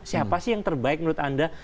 siapa sih yang terbaik menurut anda